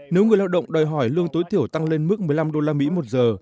nếu người lao động đòi hỏi lương tối thiểu tăng lên mức một mươi năm usd một giờ